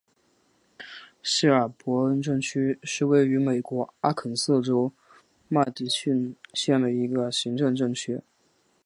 希尔伯恩镇区是位于美国阿肯色州麦迪逊县的一个行政镇区。